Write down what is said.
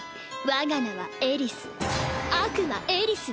我が名はエリス。